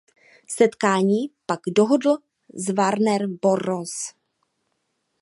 Setkání pak dohodl s Warner Bros.